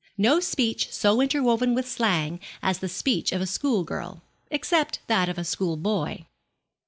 No speech so interwoven with slang as the speech of a schoolgirl except that of a schoolboy.